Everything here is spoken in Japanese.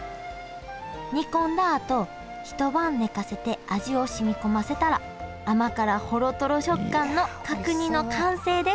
煮込んだあと一晩寝かせて味をしみ込ませたら甘辛ほろトロ食感の角煮の完成です